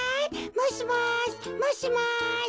もしもしもしもし。